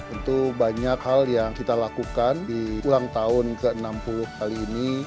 itu banyak hal yang kita lakukan di ulang tahun ke enam puluh kali ini